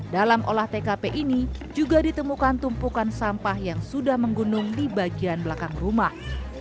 dalam olah tkp ini juga ditemukan tumpukan sampah yang sudah menggunung di bagian belakang rumah